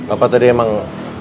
apa tadi emang